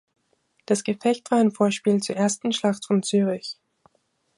Das Gefecht war ein Vorspiel zur Ersten Schlacht von Zürich.